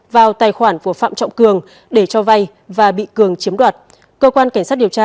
vào tài khoản của phạm trọng cường để cho vay và bị cường chiếm đoạt cơ quan cảnh sát điều tra